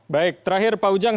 baik terakhir pak ujang